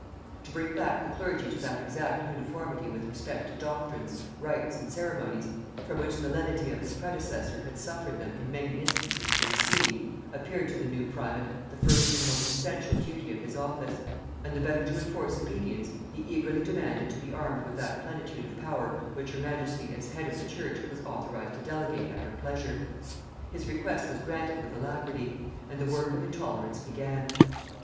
To bring back the clergy to that exact uniformity with respect to doctrines, rites, and ceremonies, from which the lenity of his predecessor had suffered them in many instances to recede, appeared to the new primate the first and most essential duty of his office; and the better to enforce obedience, he eagerly demanded to be armed with that plenitude of power which her majesty as head of the church was authorized to delegate at her pleasure. His request was granted with alacrity, and the work of intolerance began.